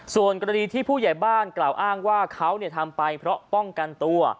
ส่วนกรณีที่ผู้ใหญ่บ้านกล่าวอ้างว่าเขาทำไปเพราะป้องกันตัว